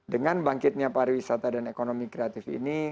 dengan bangkitnya pariwisata dan ekonomi kreatif ini